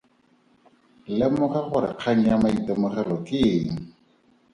Lemoga gore kgang ya maitemogelo ke eng.